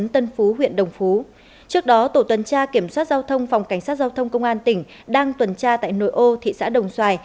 trước đó tổ tuần tra kiểm soát giao thông phòng cảnh sát giao thông công an tỉnh đang tuần tra tại nội ô thị xã đồng xoài